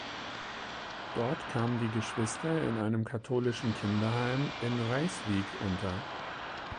Dort kamen die Geschwister in einem katholischen Kinderheim in Rijswijk unter.